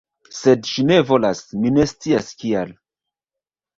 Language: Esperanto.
Sed ŝi ne volas; mi ne scias kial